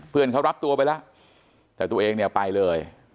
เพื่อนเขารับตัวไปแล้วแต่ตัวเองเนี่ยไปเลย